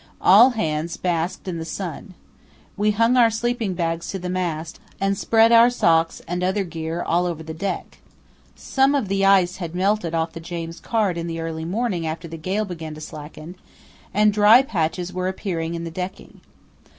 All hands basked in the sun. We hung our sleeping bags to the mast and spread our socks and other gear all over the deck. Some of the ice had melted off the James Caird in the early morning after the gale began to slacken; and dry patches were appearing in the decking.